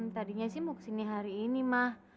tadinya sih mau kesini hari ini mah